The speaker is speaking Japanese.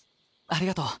ありがとう。